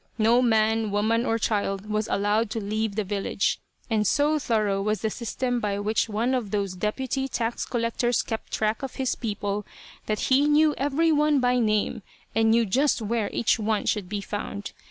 No man, woman or child was allowed to leave the village, and so thorough was the system by which one of those deputy tax collectors kept track of his people, that he knew every one by name, and knew just where each one should be found.